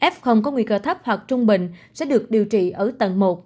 f có nguy cơ thấp hoặc trung bình sẽ được điều trị ở tầng một